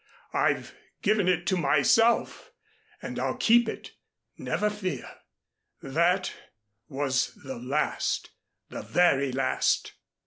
I've given it to myself, and I'll keep it, never fear. That was the last the very last."